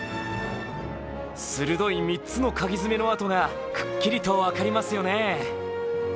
鋭い３つのかぎ爪の跡がくっきりと分かりますよね。